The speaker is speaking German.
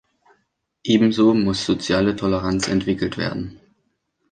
Ebenso muss soziale Toleranz entwickelt werden.